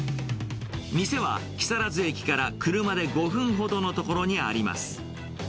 店は木更津駅から車で５分ほどのところにあります。